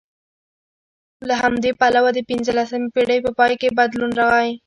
له همدې پلوه د پنځلسمې پېړۍ په پای کې بدلون راغی